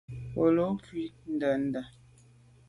Nkelô ku’ ndende.